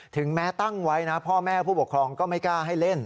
ถึงแม้ตั้งไว้นะพ่อแม่ผู้ปกครองก็ไม่กล้าให้เล่น